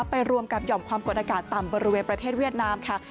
ไปรวมกับหย่อมความกดอากาศต่ำบริเวณประเทศเวียดนามค่ะ